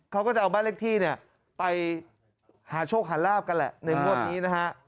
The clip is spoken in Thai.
เขาก็จะเอาบ้านเลขที่เนี่ยไปหาโชคหาลาบกันแหละในงวดนี้นะฮะ